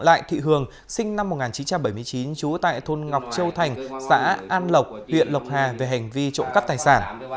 lại thị hường sinh năm một nghìn chín trăm bảy mươi chín trú tại thôn ngọc châu thành xã an lộc huyện lộc hà về hành vi trộm cắp tài sản